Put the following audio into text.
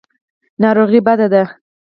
ناروغي بده ده.